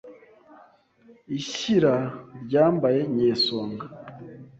Ishyira ryambaye Nyesonga